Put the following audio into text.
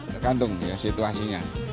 tergantung ya situasinya